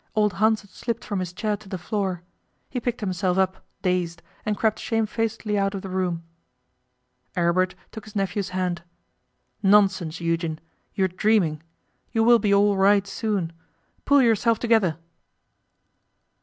Old Hans had slipped from his chair to the floor. He picked himself up, dazed, and crept shamefacedly out of the room. Aribert took his nephew's hand. 'Nonsense, Eugen! You are dreaming. You will be all right soon. Pull yourself together.